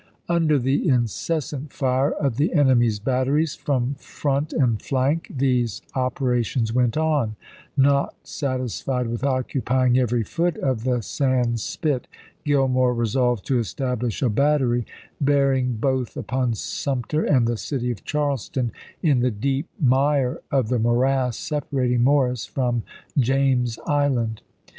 Under the incessant fire of the enemy's batteries from front and flank, these operations went on; not satisfied with occupying every foot of the sand spit, Gillmore resolved to establish a battery, bearing both upon Sumter and the city of Charles ton, in the deep mire of the morass separating Morris from James Island.